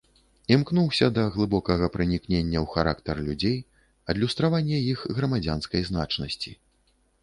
Імкнуўся да глыбокага пранікнення ў характар людзей, адлюстравання іх грамадзянскай значнасці.